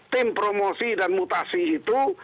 tim promosi dan mutasi itu